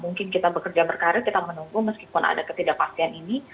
mungkin kita bekerja berkarir kita menunggu meskipun ada ketidakpastian ini